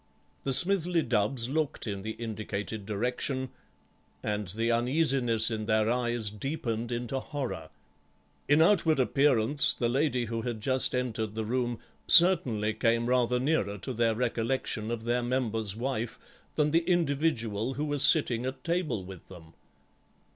The Smithly Dubbs looked in the indicated direction, and the uneasiness in their eyes deepened into horror. In outward appearance the lady who had just entered the room certainly came rather nearer to their recollection of their Member's wife than the individual who was sitting at table with them.